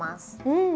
うん。